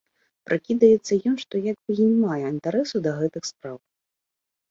Прыкідаецца ён, што як бы й не мае інтарэсу да гэтых спраў.